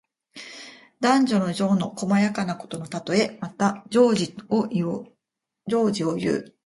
男女の情の細やかなことのたとえ。また、情事をいう。